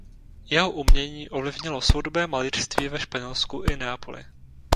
Jeho umění ovlivnilo soudobé malířství ve Španělsku i Neapoli.